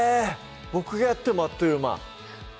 ボクがやってもあっという間？